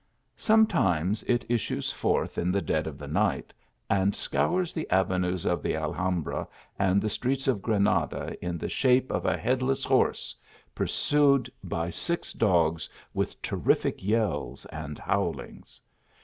Sometimes it issues forth in the dead of the night, and scours the avenues of the Alhambra and the streets of Granada in the shape of a headless horse, pursued by six dogs, with terrific yells and bowlings.